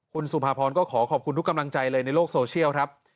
คุณสุภาพรก็ขอขอบคุณทุกกำลังใจเลยในโลกโซเชียลครับ